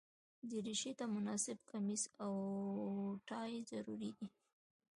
دریشي ته مناسب کمیس او ټای ضروري دي.